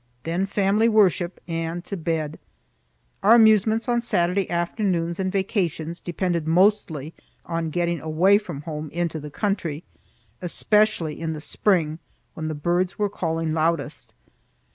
Then family worship, and to bed. Our amusements on Saturday afternoons and vacations depended mostly on getting away from home into the country, especially in the spring when the birds were calling loudest.